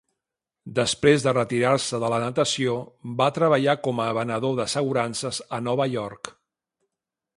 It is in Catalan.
Després de retirar-se de la natació va treballar com a venedor d'assegurances a Nova York.